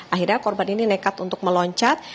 akhirnya korban ini nekat untuk meloncat